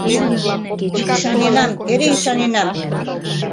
Ӱшаненам, эре ӱшаненам.